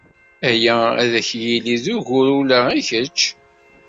Aya ad ak-yili d ugur ula i kečč?